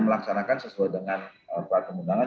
melaksanakan sesuai dengan perkembangan